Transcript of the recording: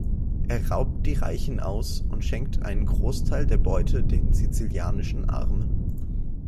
Er raubt die Reichen aus und schenkt einen Großteil der Beute den sizilianischen Armen.